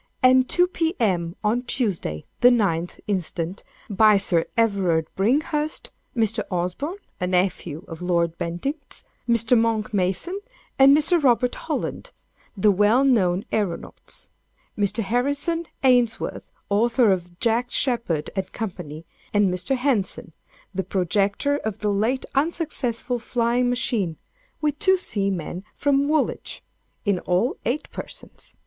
and 2, P.M., on Tuesday, the 9th instant, by Sir Everard Bringhurst; Mr. Osborne, a nephew of Lord Bentinck's; Mr. Monck Mason and Mr. Robert Holland, the well known æronauts; Mr. Harrison Ainsworth, author of "Jack Sheppard," &c. and Mr. Henson, the projector of the late unsuccessful flying machine—with two seamen from Woolwich—in all, eight persons.